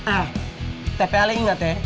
ah tepe ale ingat ya